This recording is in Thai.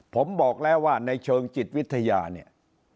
ผมบอกแล้วว่าในเชิงจิตวิทยาเนี่ย